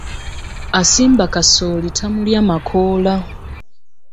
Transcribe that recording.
Asimba kasooli tamulya makoola .